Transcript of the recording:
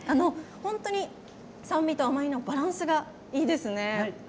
本当に酸味と甘みのバランスがいいですね。